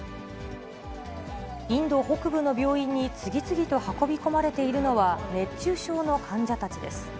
インド北部の病院に次々と運び込まれているのは、熱中症の患者たちです。